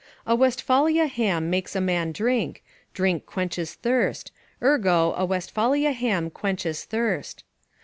"A Westfalia ham makes a man drink; drink quenches thirst: ergo a Westfalia ham quenches thirst."